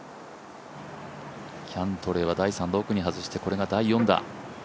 キャントレーは第３打奥に外してこれが第４打。